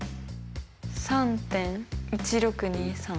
３．１６２３。